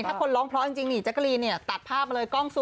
ถ้าคนร้องเพราะจริงนี่แจ๊กกะรีนเนี่ยตัดภาพมาเลยกล้อง๐